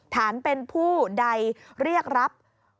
ฐานเป็นผู้ใดเรียกรับ